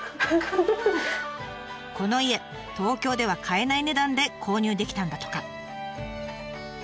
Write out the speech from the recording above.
この家東京では買えない値段で購入できたんだとか。